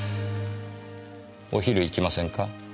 お昼行きませんか？